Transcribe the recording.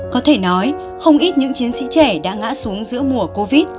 có thể nói không ít những chiến sĩ trẻ đã ngã xuống giữa mùa covid